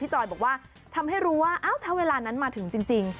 จอยบอกว่าทำให้รู้ว่าถ้าเวลานั้นมาถึงจริง